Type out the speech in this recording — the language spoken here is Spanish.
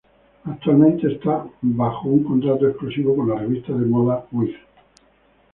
Actualmente está bajo un contrato exclusivo con la revista de moda "With".